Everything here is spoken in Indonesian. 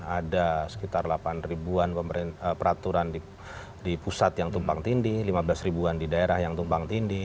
ada sekitar delapan ribuan peraturan di pusat yang tumpang tindih lima belas ribuan di daerah yang tumpang tindi